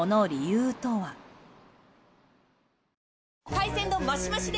海鮮丼マシマシで！